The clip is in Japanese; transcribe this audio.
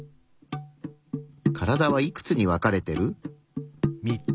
カラダはいくつに分かれてる？